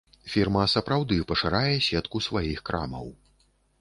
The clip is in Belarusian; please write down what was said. Фірма сапраўды пашырае сетку сваіх крамаў.